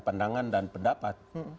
pendangan dan pendapat